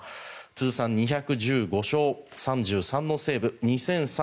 通算２１５勝、３３のセーブ２３６３